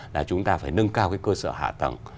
là chúng ta phải nâng cao cái cơ sở hạ tầng